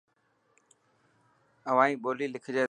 اوهائي ٻولي لکجي تي.